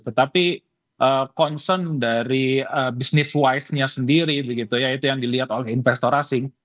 tetapi concern dari bisnis wise nya sendiri begitu ya itu yang dilihat oleh investor asing